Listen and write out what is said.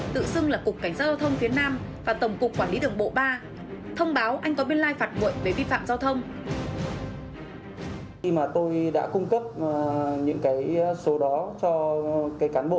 tự xưng là cục cảnh sát giao thông phía nam và tổng cục quản lý đường bộ ba